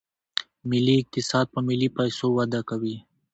ملي اقتصاد په ملي پیسو وده کوي.